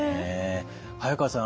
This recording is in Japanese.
早川さん